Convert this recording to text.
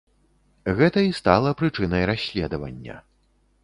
Гэта і стала прычынай расследавання.